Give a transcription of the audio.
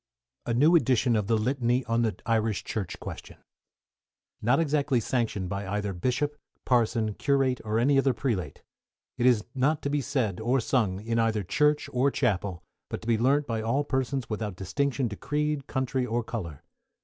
A NEW EDITION OF THE LITANY ON THE IRISH CHURCH QUESTION Not exactly sanctioned by either Bishop, Parson, Curate, or any other Prelate. It is not to be said or sung in either Church or Chapel, but to be learnt by all persons without distinction to creed, country, or colour.